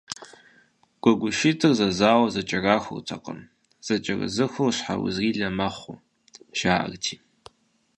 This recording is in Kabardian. Гуэгушыхъуитӏ зэзауэ зэкӏэрахуртэкъым, зэкӏэрызыхур щхьэузрилэ мэхъу, жаӏэрти.